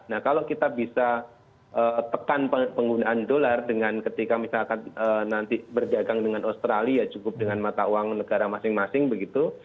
nah kalau kita bisa tekan penggunaan dolar dengan ketika misalkan nanti berdagang dengan australia cukup dengan mata uang negara masing masing begitu